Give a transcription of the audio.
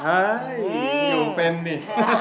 เฮ้ยอยู่เป็นดิ